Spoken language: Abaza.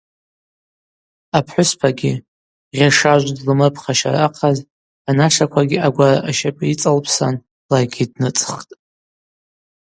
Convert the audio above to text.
Апхӏвыспагьи, Гъьашажв длымрыпхащара ахъаз, анашаквагьи агвара ащапӏы йыцӏалпсан ларгьи дныцӏхтӏ.